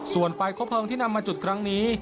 ส่วนไฟครบเพลิงที่นำมาจุดครั้งนี้